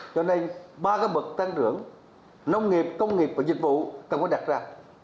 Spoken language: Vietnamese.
cho nên ba cái bậc tăng trưởng nông nghiệp công nghiệp và dịch vụ cần phải đặt ra